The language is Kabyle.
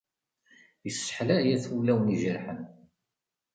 Isseḥlay at wulawen ijerḥen.